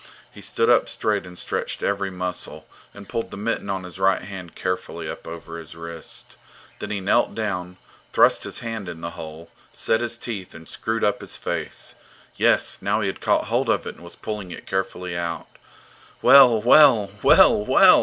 He stood up straight and stretched every muscle, and pulled the mitten on his right hand carefully up over his wrist. Then he knelt down, thrust his hand in the hole, set his teeth, and screwed up his face. Yes, now he had caught hold of it and was pulling it carefully out. Well, well, well, well!